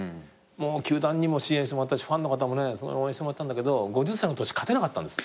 もう球団にも支援してもらったしファンの方もね応援してもらったんだけど５０歳の年勝てなかったんです。